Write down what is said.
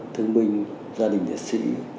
thương binh gia đình liệt sĩ